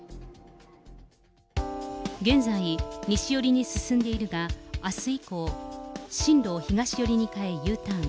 現在、西寄りに進んでいるが、あす以降、進路を東寄りに変え、Ｕターン。